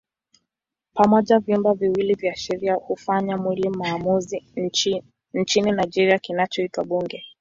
Pamoja vyumba viwili vya sheria hufanya mwili maamuzi nchini Nigeria kinachoitwa Bunge.